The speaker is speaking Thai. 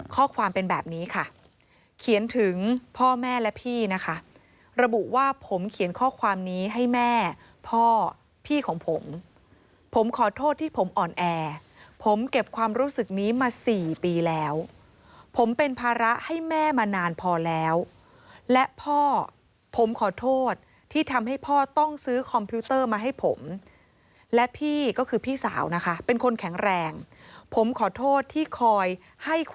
ข้อความเป็นแบบนี้ค่ะเขียนถึงพ่อแม่และพี่นะคะระบุว่าผมเขียนข้อความนี้ให้แม่พ่อพี่ของผมผมขอโทษที่ผมอ่อนแอผมเก็บความรู้สึกนี้มา๔ปีแล้วผมเป็นภาระให้แม่มานานพอแล้วและพ่อผมขอโทษที่ทำให้พ่อต้องซื้อคอมพิวเตอร์มาให้ผมและพี่ก็คือพี่สาวนะคะเป็นคนแข็งแรงผมขอโทษที่คอยให้ค